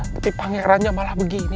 tapi pangerannya malah begini